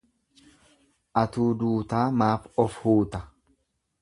Atuu duutaa maaf of huuta.